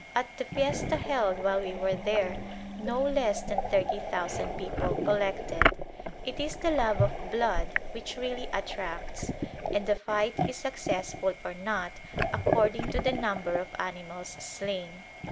At the fiesta held while we were there no less than thirty thousand people collected. It is the love of blood which really attracts, and a fight is successful or not according to the number of animals slain.